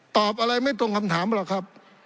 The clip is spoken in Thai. ตอบอะไรไม่ตรงคำถามหรอกครับ